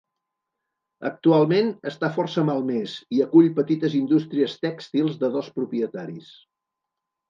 Actualment està força malmès i acull petites indústries tèxtils de dos propietaris.